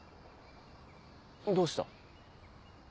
どうした？